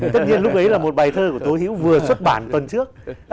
tất nhiên lúc ấy là một bài thơ của tố hữu vừa xuất bản tuần trước